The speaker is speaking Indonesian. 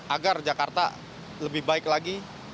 agar jakarta lebih baik lagi